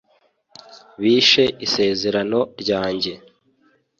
bishe Isezerano ryanjye